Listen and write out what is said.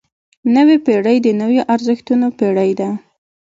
نوې پېړۍ د نویو ارزښتونو پېړۍ ده.